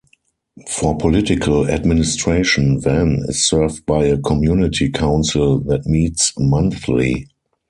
For political administration Van is served by a Community Council that meets monthly.